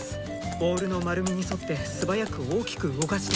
ボウルの丸みに沿って素早く大きく動かして。